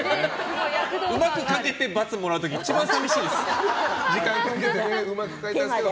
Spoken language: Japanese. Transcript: うまく描けて×もらう時一番寂しいんです。